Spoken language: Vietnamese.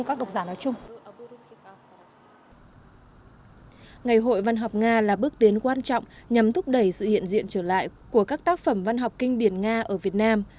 ngày hội văn học nga là bước tiến quan trọng nhằm thúc đẩy sự hiện diện trở lại của các tác phẩm văn học kinh điển nga ở việt nam